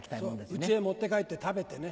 そう家に持って帰って食べてね。